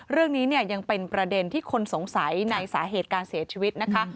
เรื่องนี้เนี่ยยังเป็นประเด็นที่คนสงสัยในสาเหตุการเสียชีวิตนะคะ